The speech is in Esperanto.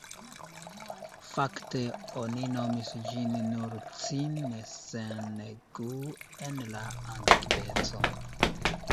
Fakte oni nomis ĝin nur ĉin sen gu en la antikveco.